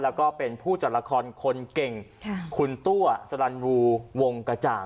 แล้วก็เป็นผู้จัดละครคนเก่งคุณตัวสลันวูวงกระจ่าง